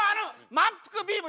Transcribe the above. まんぷくビーム！